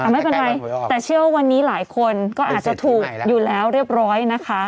ไม่เป็นไรแต่เชื่อว่าวันนี้หลายคนก็อาจจะถูกอยู่แล้วเรียบร้อยนะคะ